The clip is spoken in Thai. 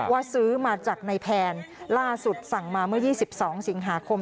ซื้อมาจากนายแพนล่าสุดสั่งมาเมื่อ๒๒สิงหาคม